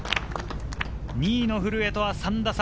２位の古江とは３打差。